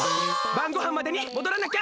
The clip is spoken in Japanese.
ばんごはんまでにもどらなきゃ！